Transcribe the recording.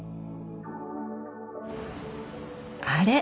あれ？